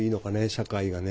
社会がね。